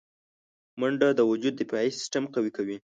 منډه د وجود دفاعي سیستم قوي کوي